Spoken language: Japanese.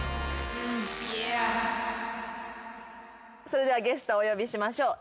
それではゲストをお呼びしましょう。